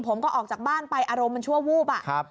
ออกจากบ้านไปอารมณ์มันชั่ววูบ